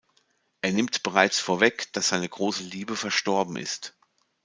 Er nimmt bereits vorweg, dass seine große Liebe verstorben ist.